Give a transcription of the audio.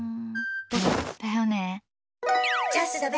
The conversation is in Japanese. だよね。